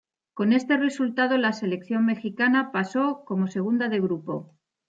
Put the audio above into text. Con este resultado, la selección mexicana pasó como segunda de grupo.